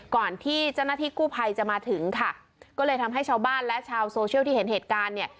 ก่อนที่เจ้าหน้าที่กู้ภัยจะมาถึงค่ะก็เลยทำให้ชาวบ้านและชาวโซเชียลที่เห็นเหตุการณ์เนี่ย